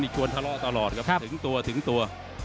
ควรทะเลาะตลอดครับถึงตัวถึงตัว